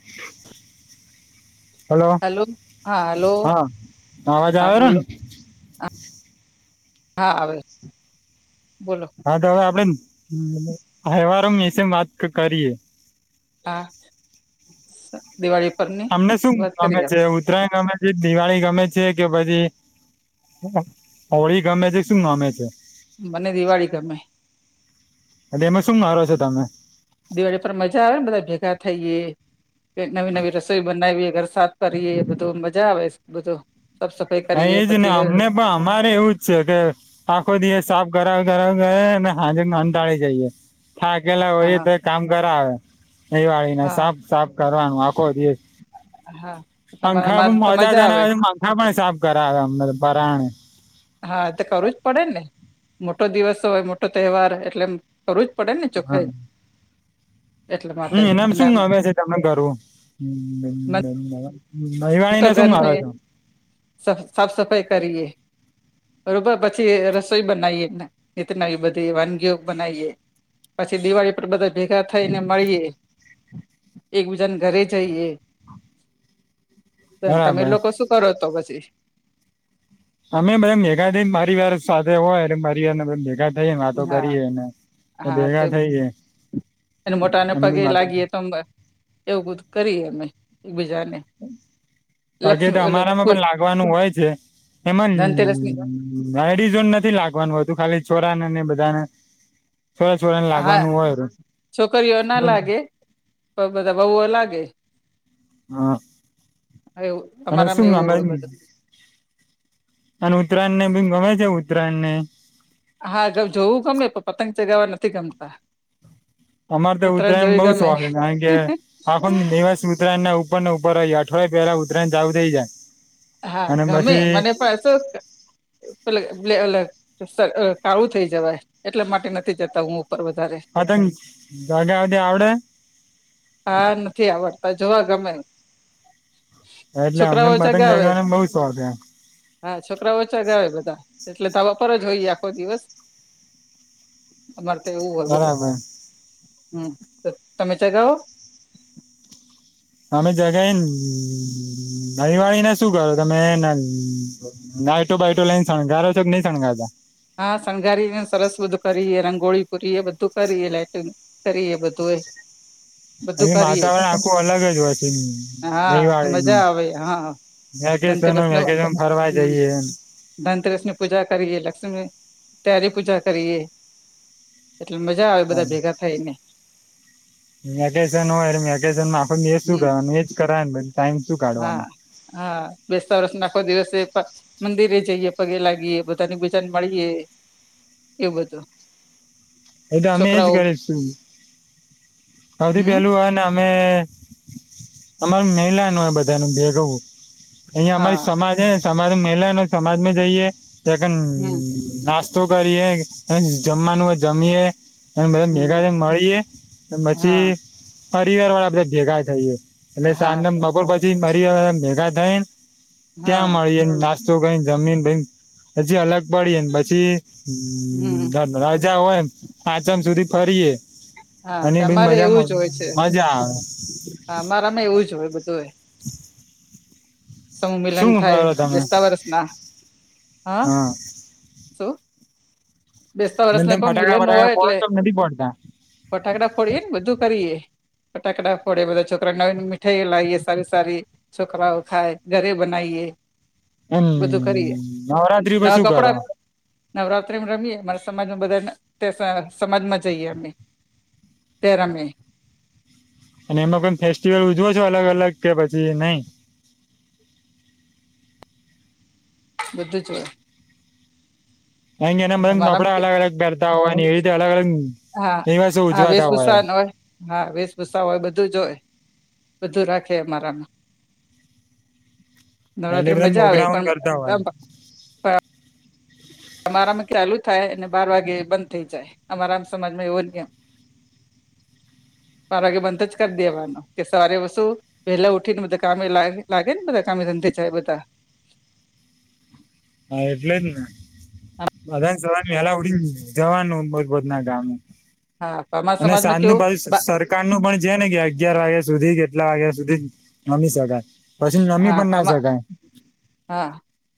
[unintelligible] Hello hello હા hello હા આવાજ હા બોલો આવેરોને. [unintelligible] હા આવે. બોલો હા તો હવે આપડે [unintelligible] વિશે વાત કરીએ હા દિવાળી પરની તમને શું વાત ગમે કરીએ છે ઉત્તરાયણ ગમે છે દિવાળી ગમે છે કે પછી હોળી ગમે છે શું નામે છે મને દિવાળી ગમે એટલે એમાં શું મારો છો તમે દિવાળી પર મજા આવે ને બધા ભેગા થઈએ કઈક નવી નવી રસોઈ બનાવીએ ઘર સાફ કરીએ બધું મજા આવે બધું સાફ સફાઈ હા કરીએ એજ નહી પછી અમને પણ અમારે એવું જ છે કે આખો દિવસ સાફ કરાવે ઘર [unintelligible] ને હાજ કટાળી જઈએ થાકેલા હોય હા એ તો કામ કરાવે દિવાળીને હા સાફ સાફ કરવાનું આખો દિવસ હા પંખા તમારે પણ તો આવે મજા [unintelligible] પંખા પણ સાફ હ અમને પરાને હા તો કરવું જ પડે ને મોટો દિવસ હોય મોટો તહેવાર એટલે એમ કરું જ પડે ને હા ચોખાઈ હમ એમ શું મલેશે છે તમને કરવું મન તો મહિવાણીને શું ઘરમે મારો છો સાફ સફાઈ કરીએ બરોબર પછી રસોઈ બનાવીએ ને નવી બધી વાનગીઓ બનાવીએ પછી દિવાળી પર બધા ભેગા થઈને મળીએ એકબીજાને ઘરે જઈએ તમે બરાબર લોકો શું કરો તો પછી અમે બધા ભેગા થઈ પરિવાર સાથે હોય પરિવારને ભેગા થઈને વાતો હા કરીએ ને હા ભેગા થઈએ તેમને મોટાને અને પગે બી વાતો લાગીએ તો એવું બધું કરીએ અમે એકબીજાને પગે તો લક્ષ્મી ઓલો અમારામાં કોઈ પણ લાગવાનું હોય છે એમાં ધનતેરસની લડિજોને નથી લાગવાનું હોતું ખાલી છોરાને ને બધાને છોરા છોરાને હા લાગવાનું હોય છોકરીઓ ના લાગે પણ બધા વહુઓ લાગે હા એવું અને શું અમારામાં એવું ગમે હોય બધું અને ઉત્તરાયણ ને બી ગમે છે ઉત્તરાયણ ને હા જોવું ગમે પણ પતંગ ચગાવવા નથી ગમતા અમારે તો ઉત્તરાયણ જોવી બહું ગમે શોખ કારણ કે આખો દિવસ ઉત્તરાયણ ના ઉપ ને ઉપર રહી અઠવાડય પેલા ઉતરાયણ જ ચાલું થઈ જાય હા અને ગમે પછી મને પાસો [inaudible] કાળુ થઇ જવાય એટલા માટે નથી, જતા હું ઉપર વધારે હતંગ જગ્યાધી આવડે? ગમેન એટલે અમનેમ મધંગ હા છોકરા ઓછા ગ બધા એટલે તવા પર જ હોઈએ આખો દિવસ અમારે તો એવું હોર બધું બરાબર હમ તો તમે ચ ગો અમે જગાને દિવાળીને શું કરો તમે નાટો બાટો લઈને શણગારો છો કે નઈ શણગારતા હા, શણગારીને સરસ બધું કરીએ રંગોળી પૂરી એ બધું કરીએ લાઈટિંગ કરી, એ બધું એ એ બધું કરીએ વાતાવરણ આખું અલગ જ હો છે, હા તો દવાળી મજા આવે હા ધનતેરસ ન નું ફરવા હમ જઈએ. તરે પૂજા કરીએ એટલે મજા આવે બધા ભેગા થાય ને મેકેન હોય મેકેન માખ ને શું હમ કરવાનું એજ કરને હા હા બેસ્તા વરષ નાખો દિવસે મંદિરે જઈએ, પગે લાગીએ બધાની ભજન મળીએ એવું બધું. એ તો અમે એજ છોકરાઓ કરીશું સૌથી હમ પેલું હોય ને અમે અમાર મહિલાનું બધાનું ભેગુ અહી અમારી હા સમાજ હ સમાજ મહિલાને સમાજ માં જઈએ ચકન હમ નાસ્તો તો કરીએ જમવાનું જમએે એ બધા હમ મેગાજ મળીએે, હા પછી પરિવાર વાળા બધા ભેગા થઈ. એટલે હા સાંજના બગોર પછી મારી મેગા [unintelligible] હા ક્યાં મળી એ, કઈ જમીન ભ પછી અલગ પડીને પછી, હમ [unintelligible] ય એમ પાંચમ સુધી ફરીએ, હા અને બી તમારે મજા એવું જ હોય છે, મજા આવે હ અમારામાં એવું જ હોય બધું એ સમૂહ મિલન શું થાય કરો તમે બેસ્તા વર્ષ ના હા શું બેસતા અને વરષ ના તેમ કોઈ મિલે ફટાકડા ન ફટાકડા હોય ફોડો એટલે છો કે નથી ફોડતા ફટાકડા ફોડીએ ને બધું કરીએ ફટાકટ ફોડે બધા છોકરા નવી મીઠાઈ લાવએ સારી સારી છોકરાઓ ખાય ઘરે બનાવીએ હમ બધું કરીએ નરાત્રિ બ શું કર નવરાત્રિમાં રમીએ અરા સમાજમાં બધા સમાજમાં જઈએ અમે ત્યારે અમે અને એમાં પણ ફેસ્ટિવલ ઉજવો છો અલગ અલગ કે પછી નઈ બધ છ કાર કે એના બધ નપડા મારામાં અલગ અલગ પહેરતા હોયને એવી રીતે અલગ અલગ હા નિવાસો હા ઉજવાતા વેશભૂષા હોય હા વેશભૂસા હોય બધું જોય બધું રાખે અમારામાં એટલે નવરાત્રી બધા મજા આવે પ્રોગ્રામ કરતા હોય પણ અમારામાં ચાલુ થાય અને બાર વાગે બંધ થઈ જાય અમારામ સમાજમાં એવો નિયમ બાર વાગે બંધ જ કરી દેવાનો કે સવારે વછું વહેલા ઉઠીને બધા કામે લાગે ને બધા કામે ધંધી જાય બધા હા એટલે જ ને અ જો પેલા ઉડીને જવાનું મભદ ના ગા હા અમારા અને સમાજમાં સાંજ ન કેવું પાજુ બા સરકાર નું પણ છે ને ક્યાં અગિયાર વાગ્યા સુધી કેટલા વાગ્યા સુધી રમી શકાય પછી નમી હા પણ ના શકાય હા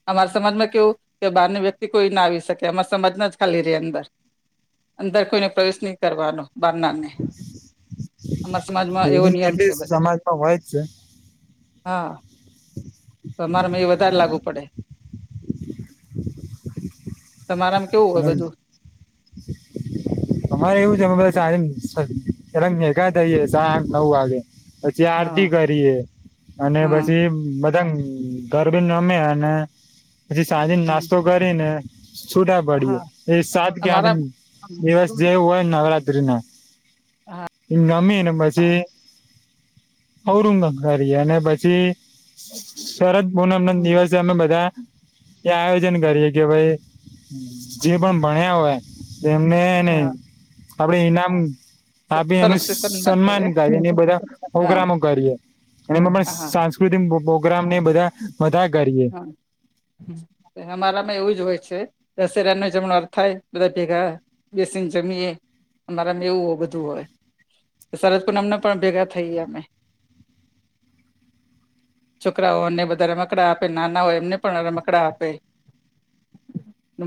અમારા સમાજમાં કેવું કે બહારની વ્યક્તિ કોઈ ના આવી શકે એમાં સજ ના જ ખાલી રે અંદર અંદર કોઈને પ્રવેશ નહી કરવાનો બાર નારને એવો એવી નિયમ છે કેટલી બધે સમમાજમાં હોય જ છે હા તો મારે મ એ વધારે લાગવુ પડે હા તમારામાં કેવું હ હોય બધું અમારે એવું છે અમે બધા ચ એંગ હે ગહીે સા નવવાગે પછી હા આરતી કરીએ અને હા પછીધ એકમ ગરબી ન રમેને પછી સાંજે હમ, નાસ્તો કરી ને છ પડી હા એ સાત કે અમારા આઠ હમ, દિવસ જે હો નગળત્ર્રી ના હા એંગ અમિયા એનામાચી ઔરુંંગ કરી અને પછી શરદ બ એમના હમ, દિવસ અમે બધા એ આયોજન કરીએ કે ભાઈ જે પણ હમ, ભણ્યા હોય એમને નહી હા આપડે ઇનામ સ- આપી સરસ એમનું તે કરે સન્માન કરી બધા હા પ્રોગ્રામો કરીએ એમાં પણ હા સાંસ્કૃતિક પો ્રામ ને બધા બધા કરીએ હા અમારામાં એવું જ હોય છે દશેરા ન જમ અથ થાય બધા ભેગા બેસીને જમીએ અમારા એવું હો બધું હોય સરદ કુમ પણ ભેગા થઈ અમે છોકરાઓને બમાં મકડા આપે નાના હોય એમને પણ રમકડા આપે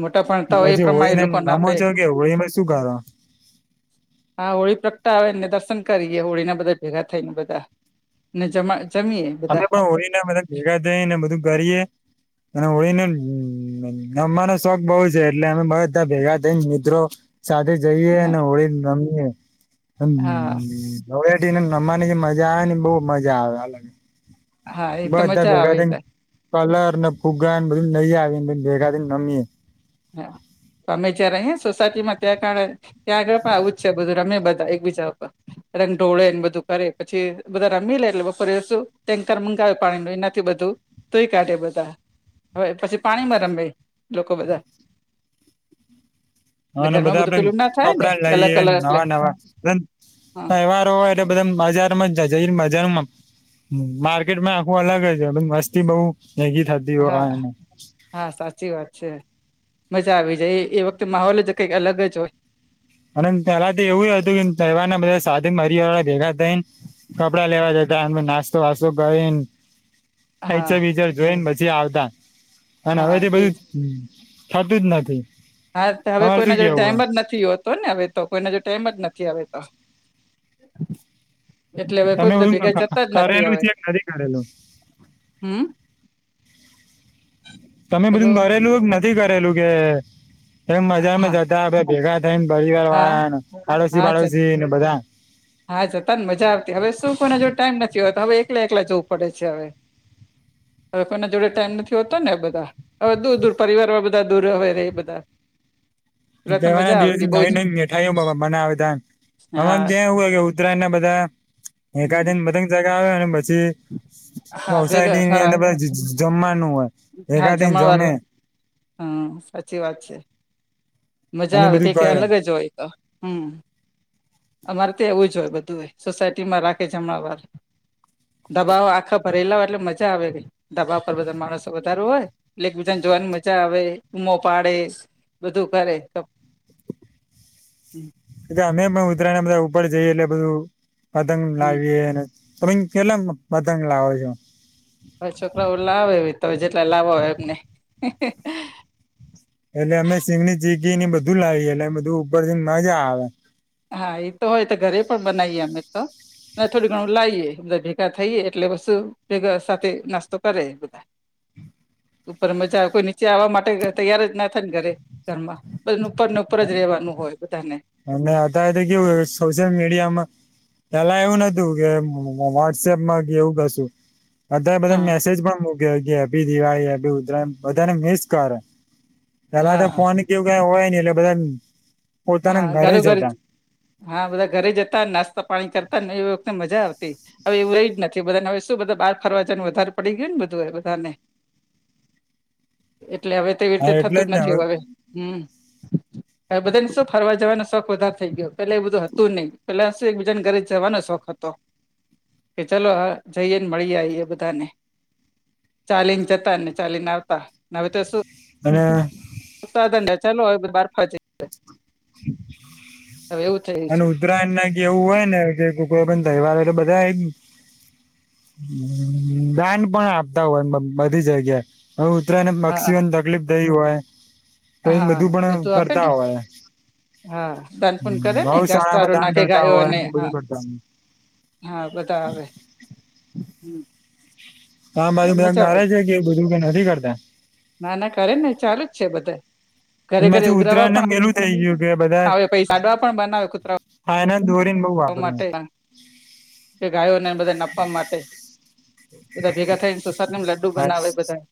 મોટા ભણતા હોય એ પછી પ્રમાણે એ હોળીને લોકોને આપે રમચ કે હોળમાં શું કર આવેને દર્શન કરીએ હોળી ના બધા ભેગા થઈને બધા ને જમા જમીએ અમે બધા પણ હોયને મ ભેગા ને બધું કરીએ અને હોયને રમવાનો શોખ બઉુ છે એટલે અમે બ બધા ભેગા થઈ મિત્રો સાથે જઈએ હા ને હોળીને રમ હમ હમ હા નવિયાટી ને નમવાની જે મજા આવે ને બહુ મજા આવે અ હા એ તો મજા આવેટ કલર ને ફુગાનને બધું નહી આવી ને ભેગા થઈને રમીએે હા અમે જ્યાં રહીએ સોસાયટીમાં ત્યાં કારણે ત્યાં આગળ પણ આવું જ છે બધું રમે બધા એક બીજા ઉપર રંગ ઢોળેને બધું કરે પછી બધા રમી લે એટલે બપોરે શું ટેન્કર મંગાવે પાણીનું એનાથી બધું ધોઈ કાઢે બધા હવે પછી પાણીમાં રમે લોકો બધા ને હ ઘરમાં બધા બધું આપડે પેલું ના થાય ને કપડા કલર લઈએ કલર એટલે નવા નવા હા તહેવારો હોય એટલે બધા બજારમાં જ જઈને બજારમાં માર્કેટમાં આખું અલગ જ મસ્તી બઉુ હા હા સાચી વાત છે મજા આવી જાય એ વખતે માહોલ જ કંઈક અલગ જ હોય અને પહેલા તો એવું હતું કે તહેવાર ના બધા સાથે મારી વાળા ભેગા થઈને કપડા લેવા જતા નાસ્તો વાસ્તો કરી હા આ બચાર જોઈન બ જે આવદા હ હવે હા તે એ બધું થતું જ નથી હા હવે તમારે કોઈના શું જોડે કેવું ટાઈમ હે? જ નથી હોતો ને હવે તો કોઈને જો ટાઈમ જ નથી આવે તો એટલે હવે કોઈ તમે હ બધા ભેગા જતા જ નથી કરેલું હવે છે કે નથી કરેલું હમ તમે હેલો બધું મરેલું હો કે કરેલું કે એ મજામાં હા જતા ભેગા પરિવાર હા વાળા પાડોશી હા જ પાડોશી બધા હા, જતા ને મજા આવતી હવે શું કોઈના જોડે ટાઈમ નથી હોતો હવે એકલા એકલા જવું પડે છે, હવે હવે કોઈના જોડે ટાઈમ નથી, હોતો ને બધા હવે દૂર દૂર પરિવારમાં બધા દૂર હવે ર એ બધા એટલે તો તહેવા ના મજા દિવસ આવતી બહુ નવી જ નવી મઠાઈઓ મનાવે તમ હ હા ત્યાં એવું બધા એકા હમ બધ [unintelligible] પછી હા ભેગા રોસાયટી હા ની જમમા. હા, જમા વાળ હમ સાચી વાત છે. મજા અને આવે બધું ક કરે અલગ જ હોય તો હમ્મ. અમારે ત્યા એવું જ હોય, બધું એ સોસાયટીમાં રાખે જમણાં વાર દબાવ આખા ભરેલા હોય એટલે મજા આવે ગ દબાવ પર બધા માણસ વધાર હોય એટલે બીજાને જોવાની મજા આવે ઉમો પાડે બધું કરે. એ અમે ઉદરાયણ અમ જઈએ એટલે બધું પતંગ હમ લાવીએ અને પણ કેટલા બતંગ લાવો છો? હ છોકરા લાવે તો જેટલા લાવો હોય એમને- એટલે અમે સિંગની ચીગી ને બધું લાવીએ એટલે બધું ઉપર જેને નજ આવે. હા, એ તો હોય તો ઘરે પણ બનાવીએ અમે તો થોડું ઘણું લાવએ બધા ભેગા થઈએ, એટલે બુ ભેગા સાથે નાસ્તો કરે બધા ઉપર મજા આવે કોઈ આવવા માટે તૈયાર જ નથી ન કરે કરમા બલુ ઉપરને ઉપર જ રેવાનું હોય બધાને. અને અત્યારે તો કેવું સોશિયલ મીડિયામાં પેલા એવું નતું કે વોટ્સએપમાં કેવું કશું. અધ્યારે બધા હા મેસેજ પણ મો ગ હેપ્પી દિવાળી હેપ્પી ઉતરાયણ બધાને મિસકેર તલા તો હા ફોન કેવું ક હોય નને [unintelligible] હા ઘરો ઘર હા બધા ઘરે જતા નાસ્તા પાણી કરતા. એ વખ મજા આવતી હવે એવું રહી જ નથી બધાને હવે શું બધા બાર ફરવા જનું વધારે પડી ગય ને બધું એ બધાને. એટલે હવે તેવી રીતે હા એટલે થતું જ ને નથી, હ હવે હમ્મ. એ બધું જવાનો શોખ વધારે થઈ ગયો પેલા એ બધું હતું નહ પેલા શું એક બીજાને ઘરે જવાનો શોખ હતો, કે ચલો જઈએ ને મળી આ એ બધાને ચાલીને જતા ને ચાલીને આવતા હવે તો શું? હા. [unintelligible] હવે એવું થયું અને છે ઉત્તરાયણ ના એવું હોય ને કે કોઈ પણ તહેવાર હોય એટલે બધા એમ દાન પણ આપતા હોય બધી જગ્યાએ હવે ઉતરાયણને હા પક્ષીઓને તકલીફ થઈ હોય તો એમ હા બધું પણ આપે ને કરતા હોય હા દાનપુન કરે ને ગૌશાળામાં ઘાસચારો દાન નાખે કરતા ગાયો હોય અને ને બધું હા કરતા હોય હા બધા આવે. હમ હા મારી બેન નારાજ હે કે એ બધું કર નથી કરતાં? ના ના કરે ને ચાલુ જ છે બધાય એમાંથી ઉતરાયણને મેલું થઈ ગયું. કે બધા આવે પહિ સાડવા પણ બનાવે કુતરા હા એના દોરીને બઉ ગાયો વાપરે માટે કે ગાયોને ને બધાને આપવા માટે. બધા ભેગા થાયને તો સકન લડું હા બનાવે બધાય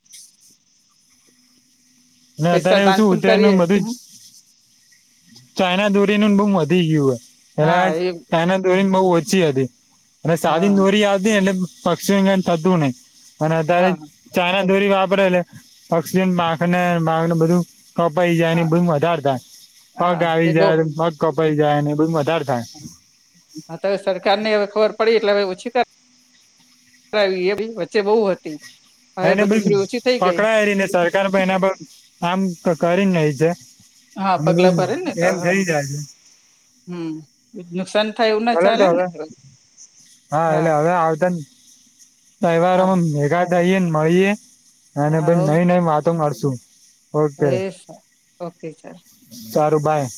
ને અત્યારે પૈસા એવું દાન શું પણ ઉતરાયણનું કરીએ ને બધું જ ચાઈના દોરીનું ને બહુ મહત ધી ગયુ હે. પેલા હા એ ચાયના દોરીન બહુ ઓછી હતી. અને હા સાદીન દોરી આવતી એટલે પક્ષીઓને કાંઈ થતું નઈ. અને અતારે હા ચાણ દોરી વાપરે એટલે પક્ષીઓને પાંખને પાંખને બધું કપાઈ જાયને હા એ બધું વધાર થાય. પગ હા તે આવી બહ જાય, પગ કપ પાઈ જાયને એ બધું મત હા તો એ સરકારને હવે ખબર પડી. એટલે હવે ઓછી કરાવી હે વચ્ચે બહુ હતી. હવે એને બધું બી થોડી ઓછી થઈ ગઈ પકડાય રને સરકાર પણ એના પર કામ કરીને નહી છે. હહ અને બધું પગલા ભરે ને તો એમ થઈ જાય છે હમ નુકસાન થાય એવું ના ચલો તો ચાલે ને હવે હા એટલે હવે આવતા હા તહેવારોમાં ભેગા થઈએ ને મળીએ. અને પહી હા નવી નવી વાત ત મળશું. એ સર ઓકે સર. ચારબાઈ.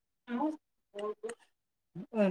હ હમ.